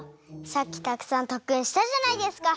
さっきたくさんとっくんしたじゃないですか。